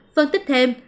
phân tích thêm